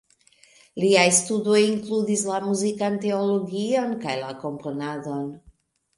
Liaj studoj inkludis la muzikan teologion kaj la komponadon.